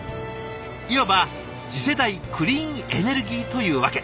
いわば次世代クリーンエネルギーというわけ。